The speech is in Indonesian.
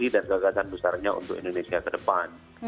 dan kegagasan besarnya untuk indonesia ke depan